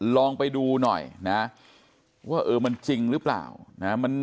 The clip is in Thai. ลองไปดูหน่อยนะว่าเออมันจริงหรือเปล่านะ